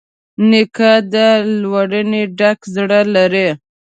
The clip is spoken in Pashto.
نیکه د لورینې ډک زړه لري.